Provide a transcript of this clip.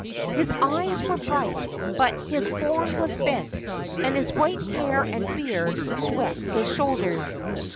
His eyes were bright, but his form was bent, and his white hair and beard swept his shoulders.